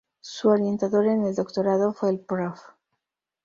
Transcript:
Su orientador en el Doctorado fue el Prof.